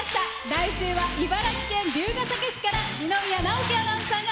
来週は茨城県龍ケ崎市から二宮直輝アナウンサーが